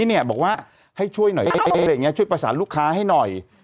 นี่บอกว่าให้ช่วยหน่อยช่วยประสานลูกค้าให้หน่อย